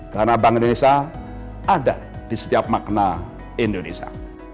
karena bank indonesia ada di setiap makna indonesia